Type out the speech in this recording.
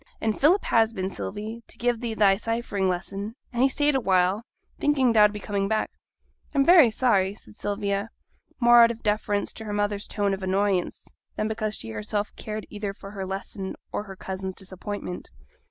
and Philip has been, Sylvie, to give thee thy ciphering lesson; and he stayed awhile, thinking thou'd be coming back.' 'I'm very sorry,' said Sylvia, more out of deference to her mother's tone of annoyance, than because she herself cared either for her lesson or her cousin's disappointment.